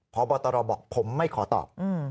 พบตรบอกผมไม่ขอตอบ